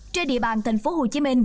trên địa bàn tp hcm